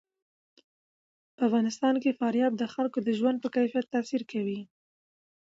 په افغانستان کې فاریاب د خلکو د ژوند په کیفیت تاثیر کوي.